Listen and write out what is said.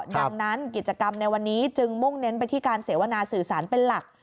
ดังนั้นกิจกรรมในวันนี้จึงมุ่งเน้นไปที่การเสวนาสื่อสารเป็นหลัก